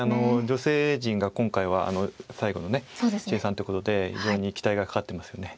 女性陣が今回は最後の謝さんということで非常に期待がかかってますよね。